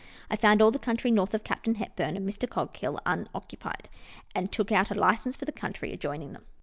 I found all the country north of Captain Hepburn and Mr. Coghill unoccupied, and took out a license for the country adjoining them.